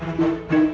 bukan mau jual tanah